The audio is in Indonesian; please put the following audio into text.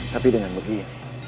tapi dengan begini